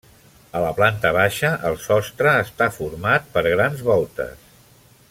A la planta baixa el sostre està format per grans voltes.